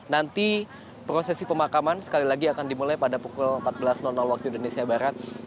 nanti prosesi pemakaman sekali lagi akan dimulai pada pukul empat belas waktu indonesia barat